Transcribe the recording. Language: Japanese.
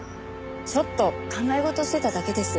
ちょっと考え事してただけです。